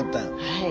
はい。